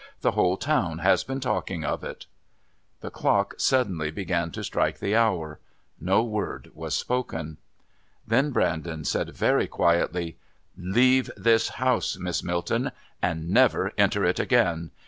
The whole town has been talking of it." The clock suddenly began to strike the hour. No word was spoken. Then Brandon said very quietly, "Leave this house, Miss Milton, and never enter it again.